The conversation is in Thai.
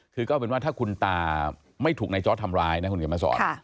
คือก็เป็นว่าถ้าคุณตาไม่ถูกนายจอร์ดทำร้ายนะคุณเขียนมาสอน